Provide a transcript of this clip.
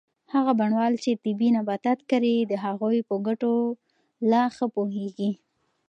هغه بڼوال چې طبي نباتات کري د هغوی له ګټو په ښه پوهیږي.